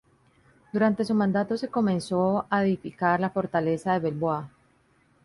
Durante su mandato se comenzó a edificar la Fortaleza de Belvoir.